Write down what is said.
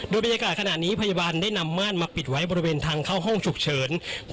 โดยบรรยากาศขณะนี้พยาบาลได้นำม่านมาปิดไว้บริเวณทางเข้าห้องฉุกเฉิน